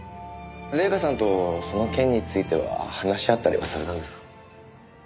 礼夏さんとその件については話し合ったりはされたんですか？